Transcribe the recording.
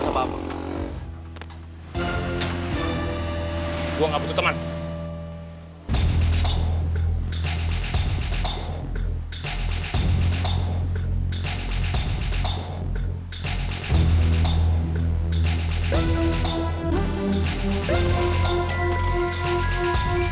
sama apa apa gua nggak butuh teman